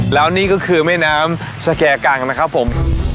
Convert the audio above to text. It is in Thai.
แล้วนี่ก็คือแม่น้ำสแก่กังนะครับผม